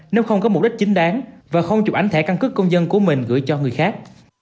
nếu không có mục đích chính đáng và không chụp ảnh thẻ căn cước công dân của mình gửi cho người khác